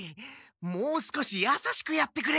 もう少しやさしくやってくれ！